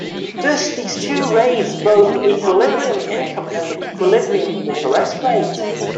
Thus these too raise both equilibrium income and the equilibrium interest rate.